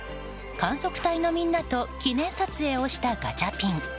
観測隊のみんなと記念撮影をしたガチャピン。